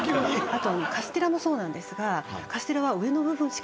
あとカステラもそうなんですが。